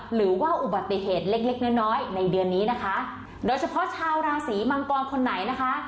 หรือว่าอุบัติเหตุเล็กเล็กน้อยน้อยในเดือนนี้นะคะโดยเฉพาะชาวราศีมังกรคนไหนนะคะ